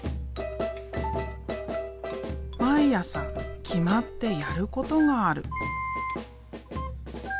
毎朝決まってやることがある。